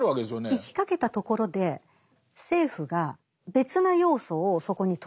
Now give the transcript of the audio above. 行きかけたところで政府が別な要素をそこに投入した。